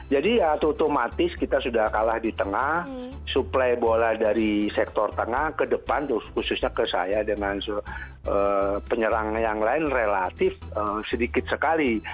jadi ya otomatis kita sudah kalah di tengah suplai bola dari sektor tengah ke depan khususnya ke saya dengan penyerang yang lain relatif sedikit sekali